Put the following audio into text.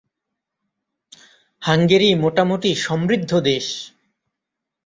Hungary মোটামুটি সমৃদ্ধ দেশ।